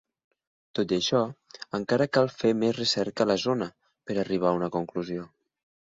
Tot i això, encara cal fer més recerca a la zona per arribar a una conclusió.